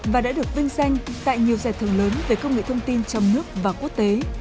và đã được vinh danh tại nhiều giải thưởng lớn về công nghệ thông tin trong nước và quốc tế